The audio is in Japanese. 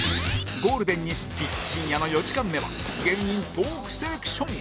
ゴールデンに続き深夜の４時間目は芸人トーークセレクション